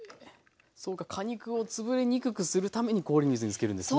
そうか果肉をつぶれにくくするために氷水につけるんですね。